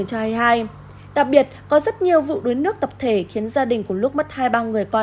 đặc biệt có rất nhiều vụ đuối nước tập thể khiến gia đình của lúc mất hai ba người con